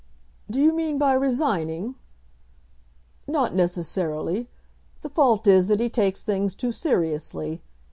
"Do you mean by resigning?" "Not necessarily. The fault is that he takes things too seriously.